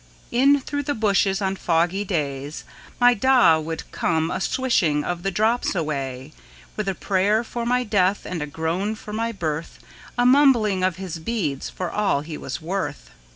In through the bushes, on foggy days, My Da would come a swishing of the drops away, With a prayer for my death and a groan for my birth, A mumbling of his beads for all he was worth.